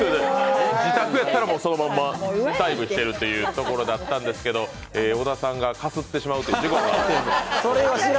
自宅やったらそのまんまダイブしてるっていうところやったんですけど小田さんがかすってしまうという事故がありました。